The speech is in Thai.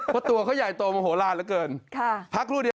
เพราะตัวเขาใหญ่โตโมโฮล่าดละกัน